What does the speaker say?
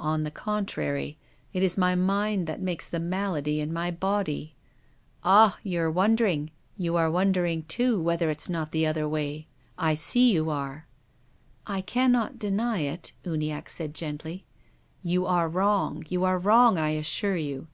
On the contrary, it is my mind that makes the malady in my body. Ah ! you are wondering ! You are wondering, too, 44 TONGUES OF CONSCIENCE. whether it's not the other way ! I sec you are !" I cannot deny it," Uniacke said gently. " You are wrong. You are wrong, I assure you.